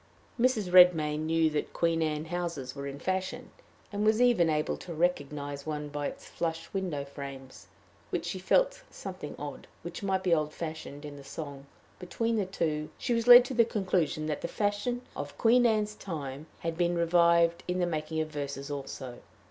Mrs. Redmain knew that Queen Anne houses were in fashion, and was even able to recognize one by its flush window frames, while she had felt something odd, which might be old fashioned, in the song; between the two, she was led to the conclusion that the fashion of Queen Anne's time had been revived in the making of verses also.